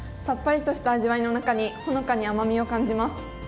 さっぱりとした味わいの中にほのかに甘みを感じます。